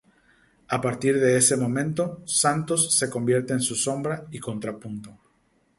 A partir de ese momento Santos se convierte en su sombra y contrapunto.